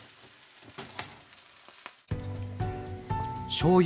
しょうゆ